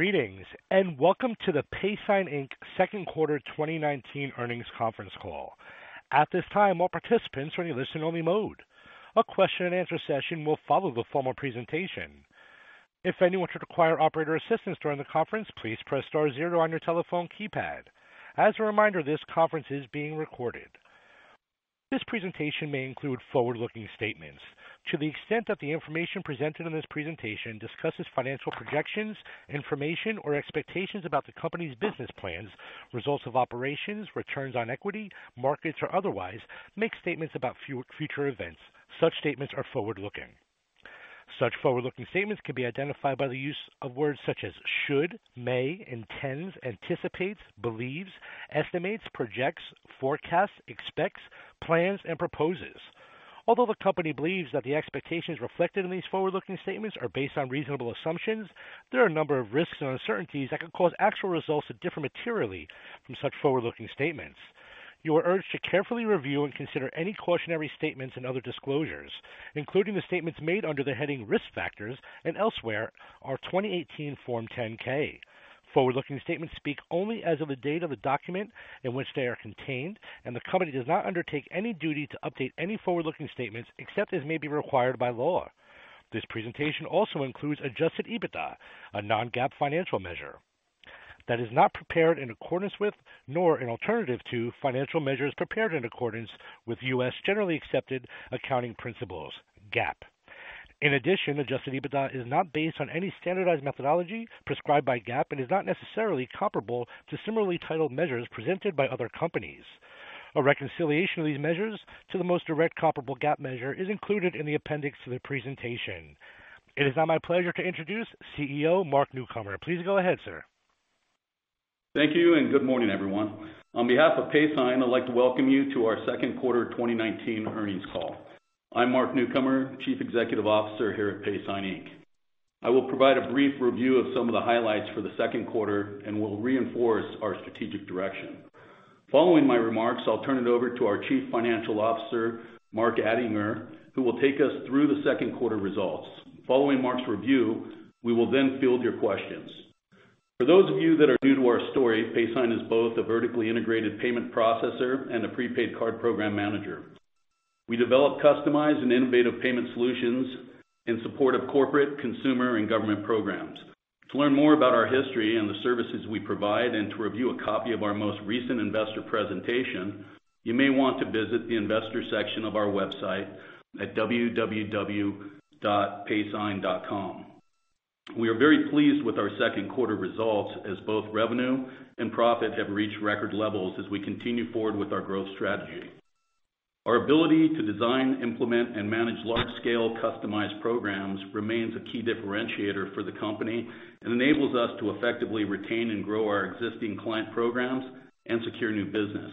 Greetings, welcome to the Paysign Inc. second quarter 2019 earnings conference call. At this time, all participants are in listen-only mode. A question-and-answer session will follow the formal presentation. If anyone should require operator assistance during the conference, please press star zero on your telephone keypad. As a reminder, this conference is being recorded. This presentation may include forward-looking statements. To the extent that the information presented in this presentation discusses financial projections, information, or expectations about the company's business plans, results of operations, returns on equity, markets, or otherwise makes statements about future events, such statements are forward-looking. Such forward-looking statements can be identified by the use of words such as should, may, intends, anticipates, believes, estimates, projects, forecasts, expects, plans, and proposes. Although the company believes that the expectations reflected in these forward-looking statements are based on reasonable assumptions, there are a number of risks and uncertainties that could cause actual results to differ materially from such forward-looking statements. You are urged to carefully review and consider any cautionary statements and other disclosures, including the statements made under the heading Risk Factors and elsewhere in our 2018 Form 10-K. Forward-looking statements speak only as of the date of the document in which they are contained, and the company does not undertake any duty to update any forward-looking statements except as may be required by law. This presentation also includes adjusted EBITDA, a non-GAAP financial measure that is not prepared in accordance with, nor an alternative to, financial measures prepared in accordance with U.S. generally accepted accounting principles, GAAP. In addition, adjusted EBITDA is not based on any standardized methodology prescribed by GAAP and is not necessarily comparable to similarly titled measures presented by other companies. A reconciliation of these measures to the most direct comparable GAAP measure is included in the appendix to the presentation. It is now my pleasure to introduce CEO, Mark Newcomer. Please go ahead, sir. Thank you, and good morning, everyone. On behalf of Paysign, I'd like to welcome you to our second quarter 2019 earnings call. I'm Mark Newcomer, Chief Executive Officer here at Paysign, Inc. I will provide a brief review of some of the highlights for the second quarter and will reinforce our strategic direction. Following my remarks, I'll turn it over to our Chief Financial Officer, Mark Attinger, who will take us through the second quarter results. Following Mark's review, we will then field your questions. For those of you that are new to our story, Paysign is both a vertically integrated payment processor and a prepaid card program manager. We develop customized and innovative payment solutions in support of corporate, consumer, and government programs. To learn more about our history and the services we provide and to review a copy of our most recent investor presentation, you may want to visit the investor section of our website at www.paysign.com. We are very pleased with our second quarter results as both revenue and profit have reached record levels as we continue forward with our growth strategy. Our ability to design, implement, and manage large-scale customized programs remains a key differentiator for the company and enables us to effectively retain and grow our existing client programs and secure new business.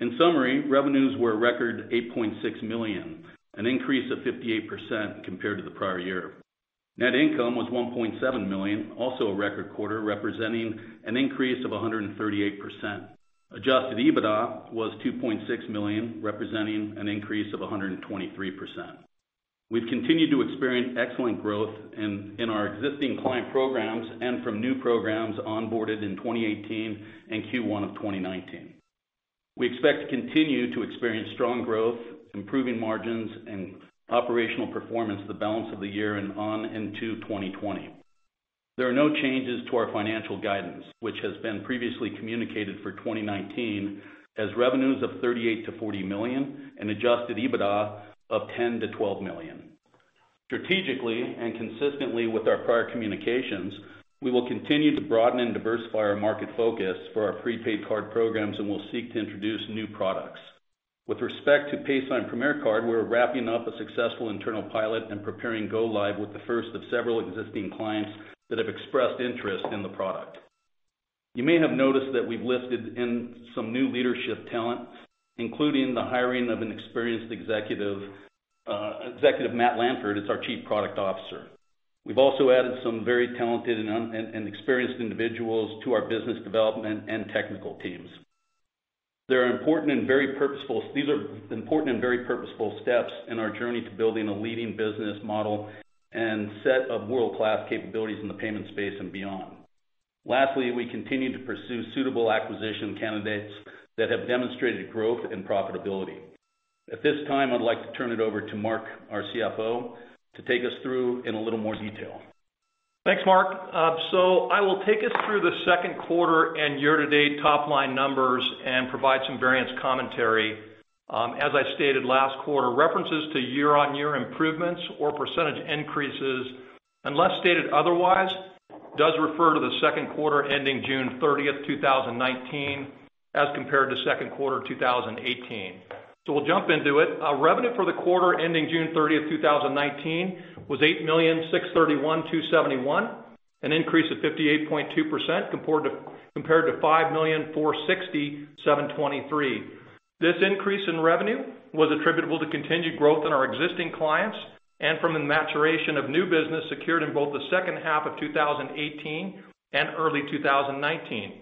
In summary, revenues were a record $8.6 million, an increase of 58% compared to the prior year. Net income was $1.7 million, also a record quarter, representing an increase of 138%. Adjusted EBITDA was $2.6 million, representing an increase of 123%. We've continued to experience excellent growth in our existing client programs and from new programs onboarded in 2018 and Q1 of 2019. We expect to continue to experience strong growth, improving margins, and operational performance the balance of the year and on into 2020. There are no changes to our financial guidance, which has been previously communicated for 2019 as revenues of $38 million-$40 million and adjusted EBITDA of $10 million-$12 million. Strategically and consistently with our prior communications, we will continue to broaden and diversify our market focus for our prepaid card programs and will seek to introduce new products. With respect to Paysign Premier Card, we're wrapping up a successful internal pilot and preparing go live with the first of several existing clients that have expressed interest in the product. You may have noticed that we've lifted in some new leadership talent, including the hiring of an experienced executive, Matt Lanford, as our Chief Product Officer. We've also added some very talented and experienced individuals to our business development and technical teams. These are important and very purposeful steps in our journey to building a leading business model and set of world-class capabilities in the payment space and beyond. Lastly, we continue to pursue suitable acquisition candidates that have demonstrated growth and profitability. At this time, I'd like to turn it over to Mark, our CFO, to take us through in a little more detail. Thanks, Mark. I will take us through the second quarter and year-to-date top-line numbers and provide some variance commentary. As I stated last quarter, references to year-on-year improvements or percentage increases, unless stated otherwise, does refer to the second quarter ending June 30, 2019, as compared to second quarter 2018. We'll jump into it. Revenue for the quarter ending June 30, 2019, was $8,631,271, an increase of 58.2% compared to $5,460,723. This increase in revenue was attributable to continued growth in our existing clients and from the maturation of new business secured in both the second half of 2018 and early 2019.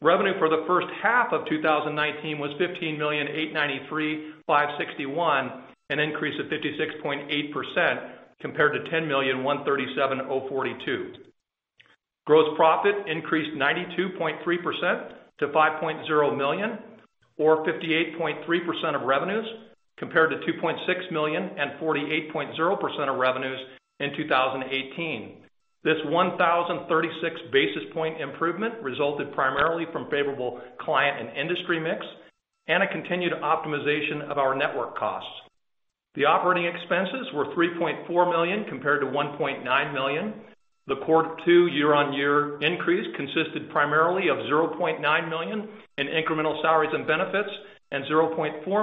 Revenue for the first half of 2019 was $15,893,561, an increase of 56.8% compared to $10,137,042. Gross profit increased 92.3% to $5.0 million, or 58.3% of revenues, compared to $2.6 million and 48.0% of revenues in 2018. This 1,036 basis point improvement resulted primarily from favorable client and industry mix, and a continued optimization of our network costs. The operating expenses were $3.4 million compared to $1.9 million. The quarter two year-on-year increase consisted primarily of $0.9 million in incremental salaries and benefits, and $0.4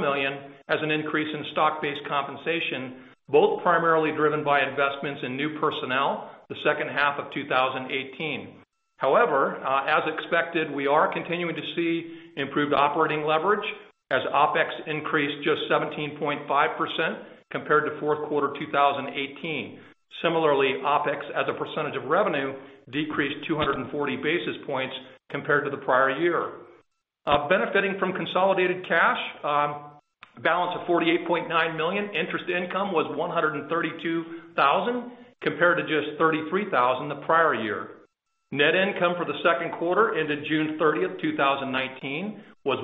million as an increase in stock-based compensation, both primarily driven by investments in new personnel the second half of 2018. However, as expected, we are continuing to see improved operating leverage as OPEX increased just 17.5% compared to fourth quarter 2018. Similarly, OPEX as a percentage of revenue decreased 240 basis points compared to the prior year. Benefiting from consolidated cash balance of $48.9 million, interest income was $132,000 compared to just $33,000 the prior year. Net income for the second quarter ended June 30th, 2019 was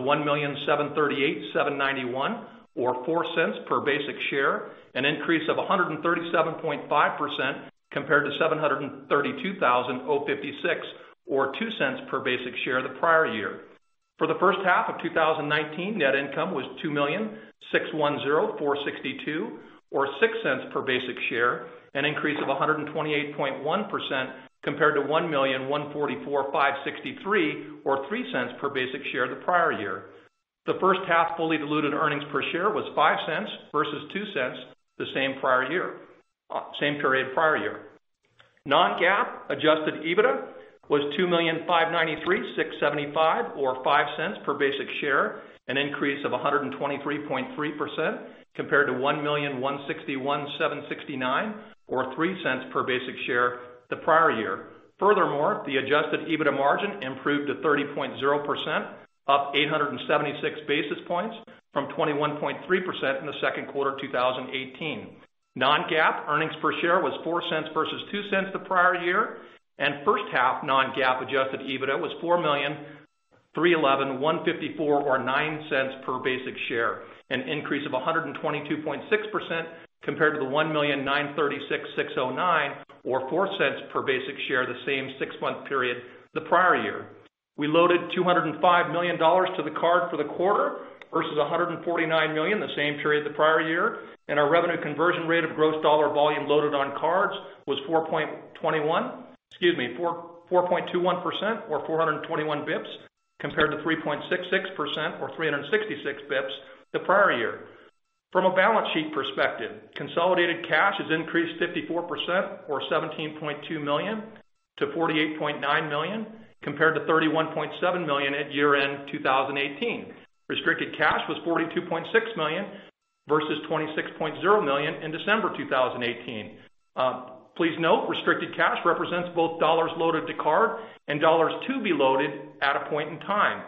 $1,738,791, or $0.04 per basic share, an increase of 137.5% compared to $732,056, or $0.02 per basic share the prior year. For the first half of 2019, net income was $2,610,462, or $0.06 per basic share, an increase of 128.1% compared to $1,144,563 or $0.03 per basic share the prior year. The first half fully diluted earnings per share was $0.05 versus $0.02 the same period prior year. Non-GAAP adjusted EBITDA was $2,593,675 or $0.05 per basic share, an increase of 123.3% compared to $1,161,769 or $0.03 per basic share the prior year. Furthermore, the adjusted EBITDA margin improved to 30.0%, up 876 basis points from 21.3% in the second quarter 2018. Non-GAAP earnings per share was $0.04 versus $0.02 the prior year. First half non-GAAP adjusted EBITDA was $4,311,154 or $0.09 per basic share, an increase of 122.6% compared to the $1,936,609 or $0.04 per basic share the same six-month period the prior year. We loaded $205 million to the card for the quarter versus $149 million the same period the prior year, and our revenue conversion rate of gross dollar volume loaded on cards was 4.21% or 421 basis points, compared to 3.66% or 366 basis points the prior year. From a balance sheet perspective, consolidated cash has increased 54% or $17.2 million to $48.9 million, compared to $31.7 million at year-end 2018. Restricted cash was $42.6 million versus $26.0 million in December 2018. Please note, restricted cash represents both dollars loaded to card and dollars to be loaded at a point in time.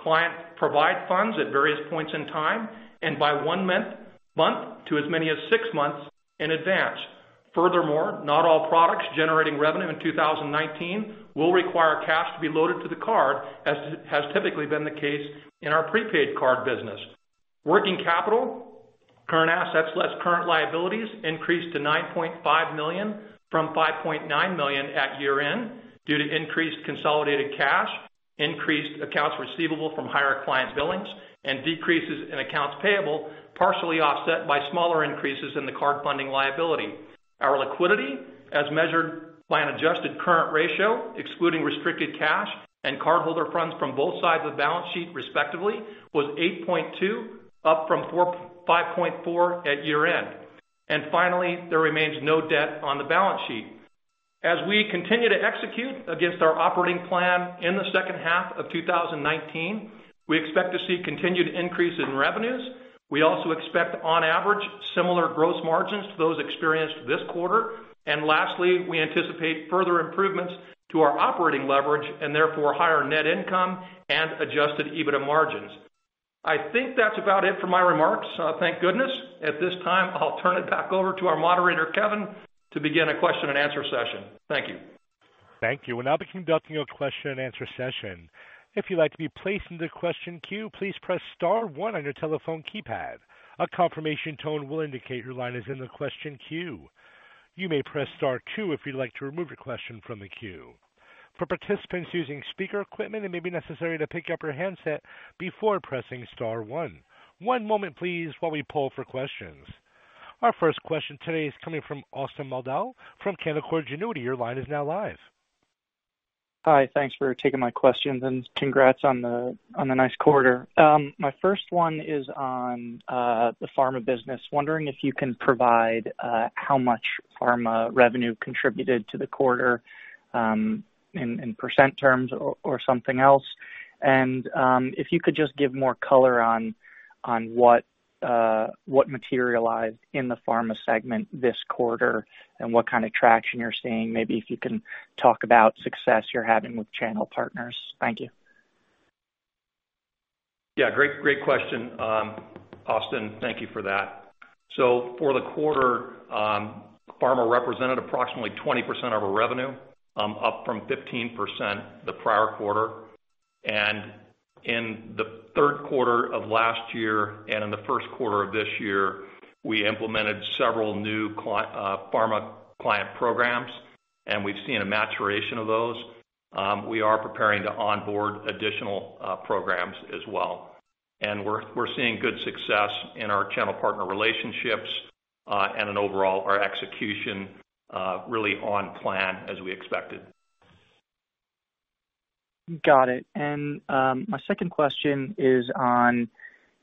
Clients provide funds at various points in time by one month to as many as six months in advance. Furthermore, not all products generating revenue in 2019 will require cash to be loaded to the card, as has typically been the case in our prepaid card business. Working capital, current assets less current liabilities increased to $9.5 million from $5.9 million at year-end due to increased consolidated cash, increased accounts receivable from higher client billings, and decreases in accounts payable, partially offset by smaller increases in the card funding liability. Our liquidity, as measured by an adjusted current ratio, excluding restricted cash and cardholder funds from both sides of the balance sheet, respectively, was 8.2, up from 5.4 at year-end. Finally, there remains no debt on the balance sheet. As we continue to execute against our operating plan in the second half of 2019, we expect to see continued increase in revenues. We also expect, on average, similar gross margins to those experienced this quarter. Lastly, we anticipate further improvements to our operating leverage and therefore higher net income and adjusted EBITDA margins. I think that's about it for my remarks. Thank goodness. At this time, I'll turn it back over to our moderator, Kevin, to begin a question-and-answer session. Thank you. Thank you. We'll now be conducting a question-and-answer session. If you'd like to be placed into the question queue, please press star one on your telephone keypad. A confirmation tone will indicate your line is in the question queue. You may press star two if you'd like to remove your question from the queue. For participants using speaker equipment, it may be necessary to pick up your handset before pressing star one. One moment please, while we poll for questions. Our first question today is coming from Austin Moldow from Canaccord Genuity. Your line is now live. Hi. Thanks for taking my questions. Congrats on the nice quarter. My first one is on the pharma business. Wondering if you can provide how much pharma revenue contributed to the quarter, in percent terms or something else. If you could just give more color on what materialized in the pharma segment this quarter and what kind of traction you're seeing. Maybe if you can talk about success you're having with channel partners. Thank you. Yeah. Great question, Austin Moldow. Thank you for that. For the quarter, pharma represented approximately 20% of our revenue, up from 15% the prior quarter. In the third quarter of last year and in the first quarter of this year, we implemented several new pharma client programs, and we've seen a maturation of those. We are preparing to onboard additional programs as well. We're seeing good success in our channel partner relationships, and in overall, our execution, really on plan as we expected. Got it. My second question is on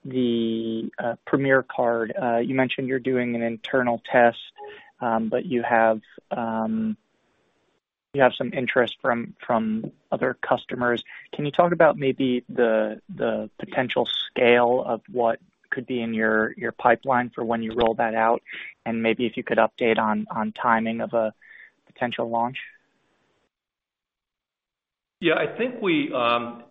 the Premier card. You mentioned you're doing an internal test, but you have some interest from other customers. Can you talk about maybe the potential scale of what could be in your pipeline for when you roll that out, and maybe if you could update on timing of a potential launch? I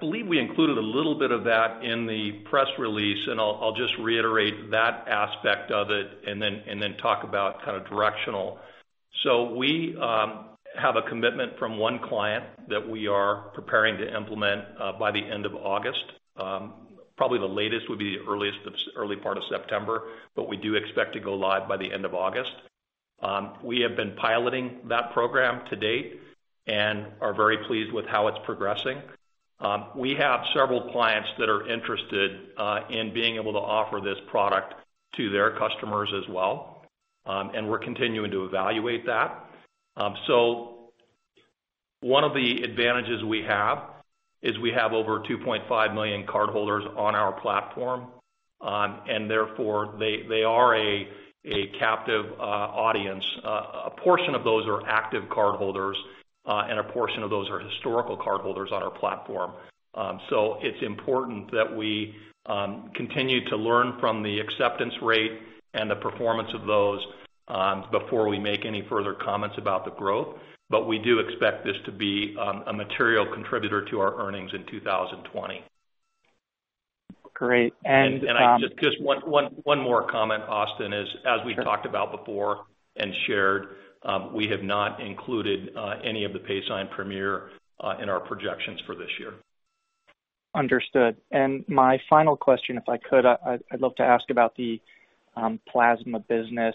believe we included a little bit of that in the press release, and I'll just reiterate that aspect of it and then talk about kind of directional. We have a commitment from one client that we are preparing to implement by the end of August. Probably the latest would be the early part of September. We do expect to go live by the end of August. We have been piloting that program to date and are very pleased with how it's progressing. We have several clients that are interested in being able to offer this product to their customers as well. We're continuing to evaluate that. One of the advantages we have is we have over 2.5 million cardholders on our platform. Therefore, they are a captive audience. A portion of those are active cardholders, and a portion of those are historical cardholders on our platform. It's important that we continue to learn from the acceptance rate and the performance of those before we make any further comments about the growth. We do expect this to be a material contributor to our earnings in 2020. Great. One more comment, Austin, is as we talked about before and shared, we have not included any of the Paysign Premier in our projections for this year. Understood. My final question, if I could, I'd love to ask about the plasma business,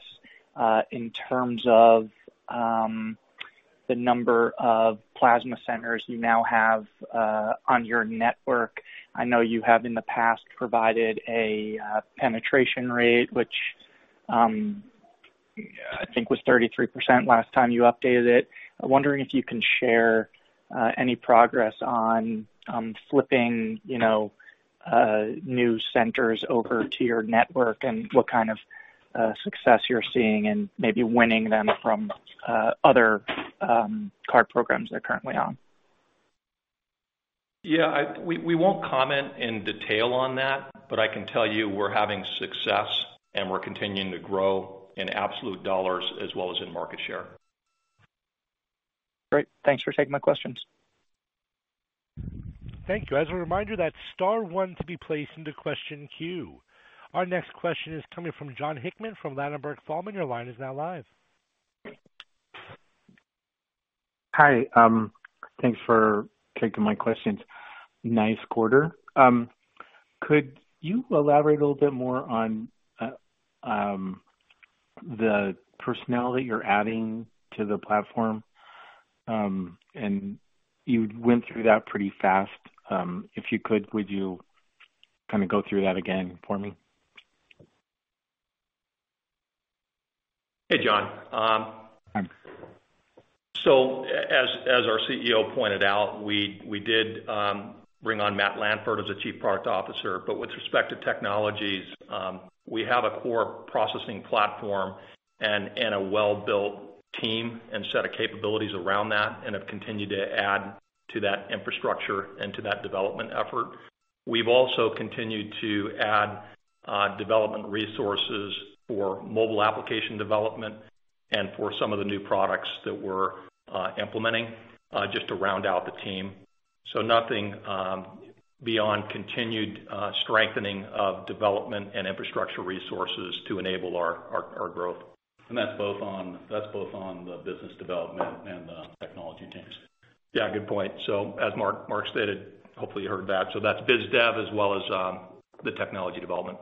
in terms of the number of plasma centers you now have on your network. I know you have in the past provided a penetration rate, which I think was 33% last time you updated it. I'm wondering if you can share any progress on flipping new centers over to your network and what kind of success you're seeing in maybe winning them from other card programs they're currently on. Yeah. We won't comment in detail on that, but I can tell you we're having success, and we're continuing to grow in absolute dollars as well as in market share. Great. Thanks for taking my questions. Thank you. As a reminder, that's star one to be placed into question queue. Our next question is coming from John Hickman from Ladenburg Thalmann. Your line is now live. Hi. Thanks for taking my questions. Nice quarter. Could you elaborate a little bit more on the personnel that you're adding to the platform? You went through that pretty fast. If you could, would you go through that again for me? Hey, John. Hi. As our CEO pointed out, we did bring on Matt Lanford as the Chief Product Officer. With respect to technologies, we have a core processing platform and a well-built team and set of capabilities around that and have continued to add to that infrastructure and to that development effort. We've also continued to add development resources for mobile application development and for some of the new products that we're implementing just to round out the team. Nothing beyond continued strengthening of development and infrastructure resources to enable our growth. That's both on the business development and the technology teams. Yeah, good point. As Mark stated, hopefully you heard that, so that's biz dev as well as the technology development.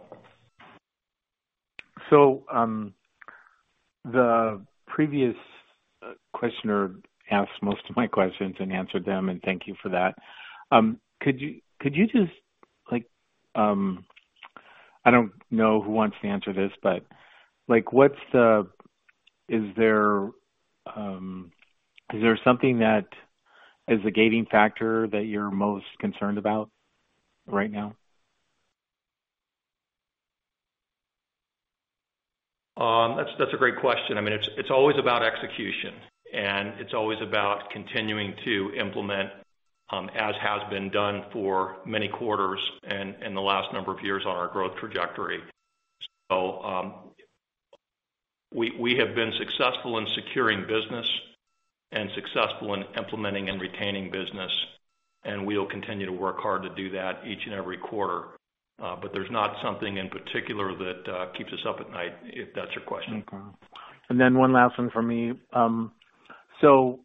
The previous questioner asked most of my questions and answered them, and thank you for that. I don't know who wants to answer this, but is there something that is a gating factor that you're most concerned about right now? That's a great question. It's always about execution, and it's always about continuing to implement as has been done for many quarters and the last number of years on our growth trajectory. We have been successful in securing business and successful in implementing and retaining business, and we will continue to work hard to do that each and every quarter. There's not something in particular that keeps us up at night, if that's your question. Okay. One last one for me. On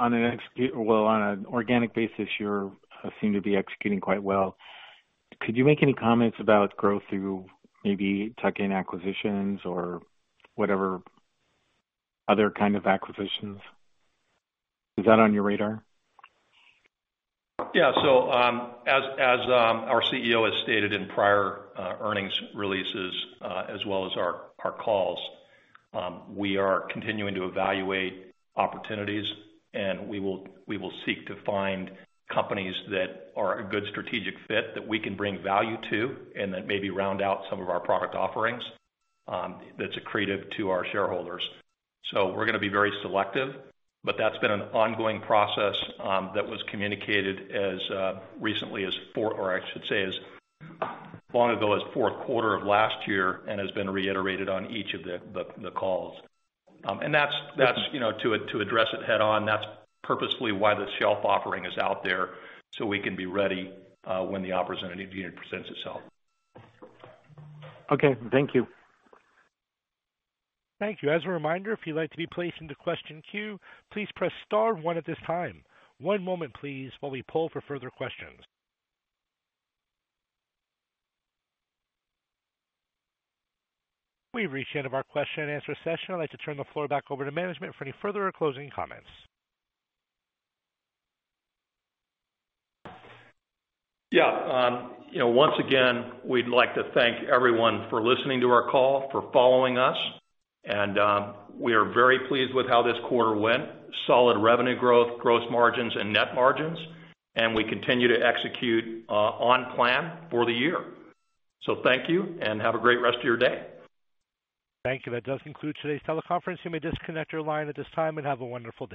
an organic basis, you seem to be executing quite well. Could you make any comments about growth through maybe tuck-in acquisitions or whatever other kind of acquisitions? Is that on your radar? Yeah. As our CEO has stated in prior earnings releases, as well as our calls, we are continuing to evaluate opportunities, and we will seek to find companies that are a good strategic fit that we can bring value to and that maybe round out some of our product offerings that's accretive to our shareholders. We're going to be very selective, but that's been an ongoing process that was communicated as recently as, or I should say, as long ago as fourth quarter of last year and has been reiterated on each of the calls. To address it head on, that's purposefully why the shelf offering is out there, so we can be ready when the opportunity presents itself. Okay. Thank you. Thank you. As a reminder, if you'd like to be placed into question queue, please press star one at this time. One moment, please, while we poll for further questions. We've reached the end of our question-and-answer session. I'd like to turn the floor back over to management for any further or closing comments. Yeah. Once again, we'd like to thank everyone for listening to our call, for following us, and we are very pleased with how this quarter went. Solid revenue growth, gross margins, and net margins, and we continue to execute on plan for the year. Thank you, and have a great rest of your day. Thank you. That does conclude today's teleconference. You may disconnect your line at this time, and have a wonderful day.